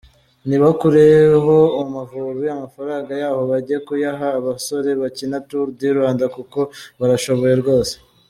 Nibakureho Amavubi, amafaranga yaho bajye bayaha abasore bakina Tour du Rwanda kuko barashoboye rwose.